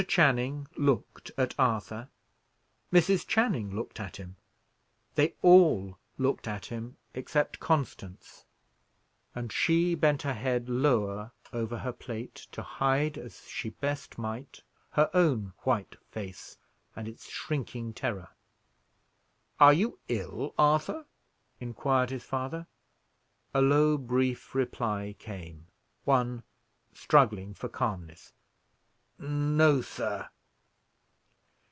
Channing looked at Arthur, Mrs. Channing looked at him; they all looked at him, except Constance, and she bent her head lower over her plate, to hide, as she best might, her own white face and its shrinking terror. "Are you ill, Arthur?" inquired his father. A low brief reply came; one struggling for calmness. "No, sir."